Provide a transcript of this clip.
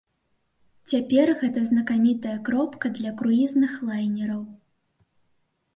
Цяпер гэта знакамітая кропка для круізных лайнераў.